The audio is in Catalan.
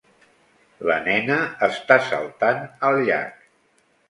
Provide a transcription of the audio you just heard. La nena està saltant al llac.